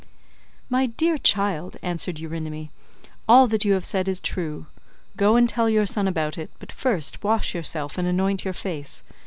"My dear child," answered Eurynome, "all that you have said is true, go and tell your son about it, but first wash yourself and anoint your face.